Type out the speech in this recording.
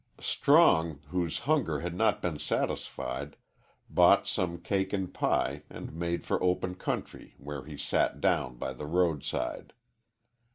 Strong, whose hunger had not been satisfied, bought some cake and pie, and made for open country where he sat down by the road side.